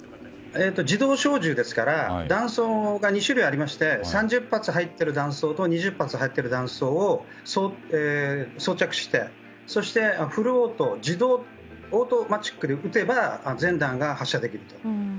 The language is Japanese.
自動小銃ですから弾倉が２種類ありまして３０発入っている弾倉と２０発入っている弾倉を装着してそしてオートマチックで撃てば全弾が発射できると。